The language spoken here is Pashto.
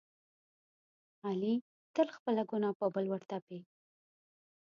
علي تل خپله ګناه په بل ورتپي.